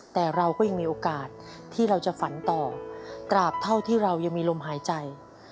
แต่เราก็ยังมีโอกาสที่เราจะฝันต่อตราบเท่าที่เรายังมีลมหายใจ